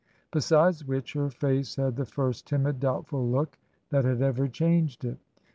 Besides which, her face had the first timid, doubtful look that had ever changed it.